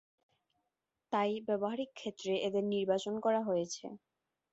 তাই ব্যবহারিক ক্ষেত্রে এদের নির্বাচন করা হয়েছে।